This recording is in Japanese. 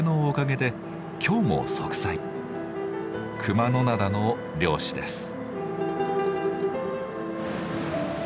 熊野灘の漁師です。